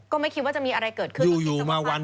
ก็ไม่คิดว่าจะมีอะไรเกิดขึ้นจริงสมภาพเคราะห์